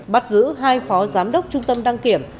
bắt giữ hai phó giám đốc trung tâm đăng kiểm